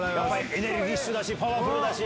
エネルギッシュだし、パワフルだし。